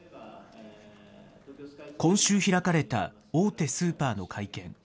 今週開かれた大手スーパーの会見。